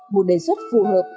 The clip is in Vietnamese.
một đề xuất phù hợp